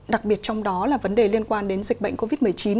đặc biệt trong đó là vấn đề liên quan đến dịch bệnh covid một mươi chín